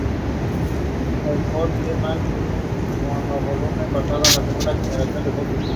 El Ford C-Max es un monovolumen basado en la segunda generación del Focus.